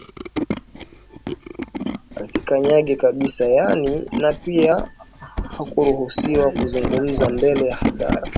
Asikanyage kabisa yaani na pia hakuruhusiwa kuzungumza mbele ya hadhara